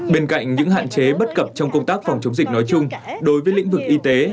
bên cạnh những hạn chế bất cập trong công tác phòng chống dịch nói chung đối với lĩnh vực y tế